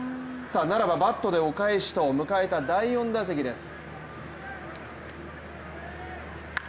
ならばバットでお返しと迎えた第４打席です。